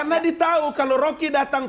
karena di tahu kalau rocky datang